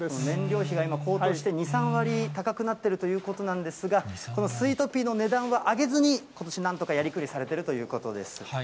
燃料費が今、高騰して、２、３割、高くなっているということなんですが、このスイートピーの値段は上げずに、ことし、なんとかやりくりされているということです。